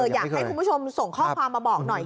อยากให้คุณผู้ชมส่งข้อความมาบอกหน่อย